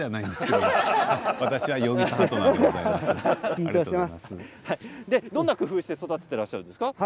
どんな工夫をして育てているんですか。